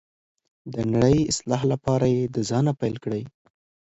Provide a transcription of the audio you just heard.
د نړۍ اصلاح لپاره یې د ځانه پیل کړئ.